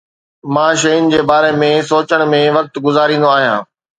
مان شين جي باري ۾ سوچڻ ۾ وقت گذاريندو آهيان